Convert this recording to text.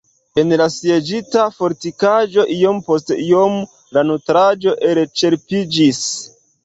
En la sieĝita fortikaĵo iom post iom la nutraĵo elĉerpiĝis.